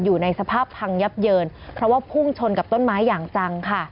อยู่ในสภาพพังยับเยินเพราะว่าพุ่งชนกับต้นไม้อย่างจังค่ะ